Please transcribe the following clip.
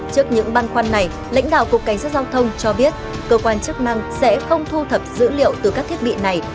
trước những băn khoăn này lãnh đạo cục cảnh sát giao thông cho biết cơ quan chức năng sẽ không thu thập dữ liệu từ các thiết bị này